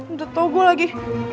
udah tau gue lagi